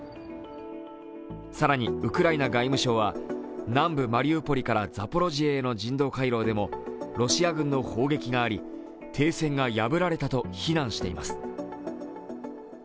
更に、ウクライナ外務省は南部マリウポリからザポロジエへの人道回廊でも、ロシア軍の砲撃があり停戦が破られたと非難しています。